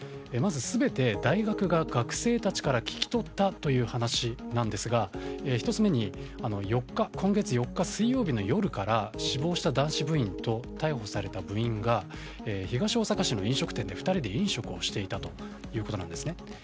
全て大学が学生たちから聞き取ったという話なんですが１つ目に今月４日水曜日の夜から死亡した男子部員と逮捕された部員が東大阪市内の飲食店で２人で飲食をしていたということです。